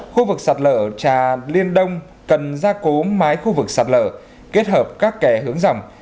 khu vực sạt lở trà liên đông cần ra cố mái khu vực sạt lở kết hợp các kè hướng dòng